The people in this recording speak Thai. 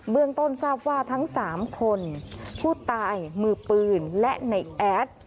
เมืองต้นทราบว่าทั้ง๓คนผู้ตายมือปืนและในแอด